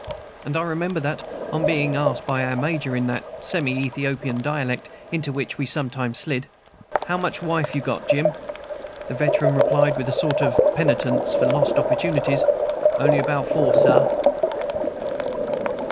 And I remember that, on being asked by our Major, in that semi Ethiopian dialect into which we sometimes slid, "How much wife you got, Jim?" the veteran replied, with a sort of penitence for lost opportunities, "On'y but four, Sah!"